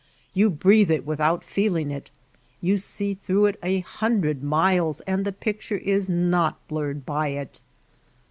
You breathe it without feel ing it, you see through it a hundred miles and the picture is not blurred by it.